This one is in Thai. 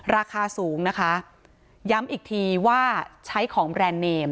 ราคาสูงนะคะย้ำอีกทีว่าใช้ของแบรนด์เนม